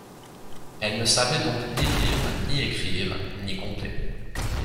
Elles ne savaient donc ni lire, ni écrire, ni compter.